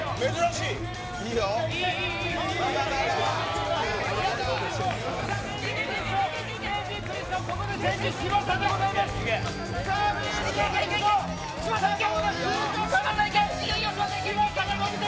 いいよ、いい、いい。